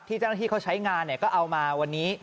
เจ้าหน้าที่เขาใช้งานก็เอามาวันนี้